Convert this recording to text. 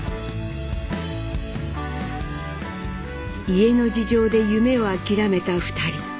家の事情で夢を諦めた２人。